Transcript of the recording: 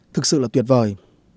thực sự là tuyệt vời